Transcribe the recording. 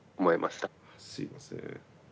すいません。